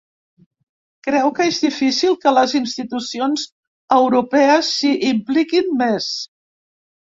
Creu que és difícil que les institucions europees s’hi impliquin més.